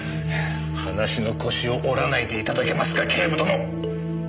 話の腰を折らないで頂けますか警部殿！